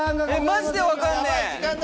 マジで分かんねえ！